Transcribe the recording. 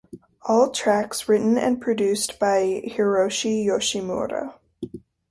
All tracks written and produced by Hiroshi Yoshimura.